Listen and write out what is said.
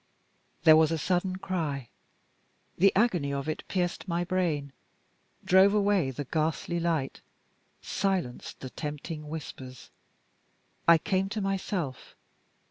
....... There was a sudden cry. The agony of it pierced my brain drove away the ghastly light silenced the tempting whispers. I came to myself.